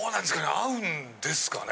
合うんですかね？